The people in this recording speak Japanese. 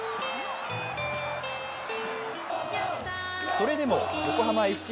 それでも、横浜ＦＣ